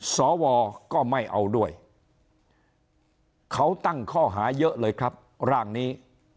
สวก็ไม่เอาด้วยเขาตั้งข้อหาเยอะเลยครับร่างนี้